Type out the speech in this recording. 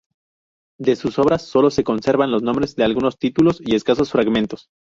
De sus obras solo se conservan los nombres de algunos títulos y escasos fragmentos.